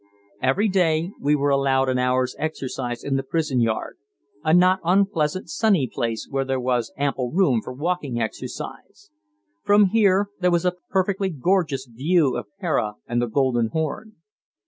Every day we were allowed an hour's exercise in the prison yard, a not unpleasant sunny place where there was ample room for walking exercise. From here there was a perfectly gorgeous view of Pera and the Golden Horn.